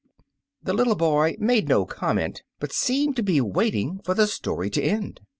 The little boy made no comment, but seemed to be waiting for the story to end.